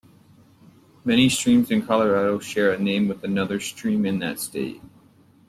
Many streams in Colorado share a name with another stream in that state.